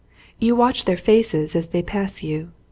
You watch their faces as they pass you.